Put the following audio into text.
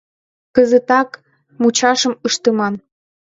Кызытак мучашым ыштыман!